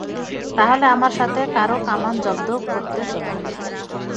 তাহলে আমার সাথে আরো কামান জব্দ করতে চলো!